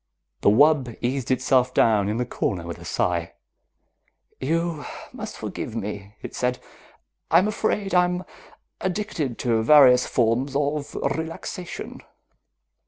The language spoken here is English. The wub eased itself down in the corner with a sigh. "You must forgive me," it said. "I'm afraid I'm addicted to various forms of relaxation.